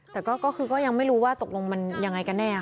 แต่ก็คือก็ยังไม่รู้ว่าตกลงมันยังไงกันแน่